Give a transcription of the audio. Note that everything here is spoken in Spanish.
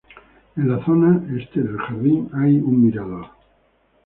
En la zona este del jardín hay un mirador.